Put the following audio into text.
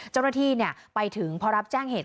เจ้าหน้าที่ไปถึงพอรับแจ้งเหตุ